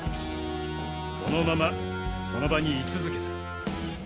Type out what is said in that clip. そのままその場に居続けた。